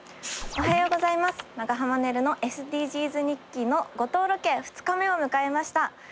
おはようございます長濱ねるのＳＤＧｓ日記の五島ロケ２日目を迎えました。